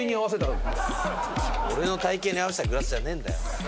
俺の体型に合わせたグラスじゃねえんだよ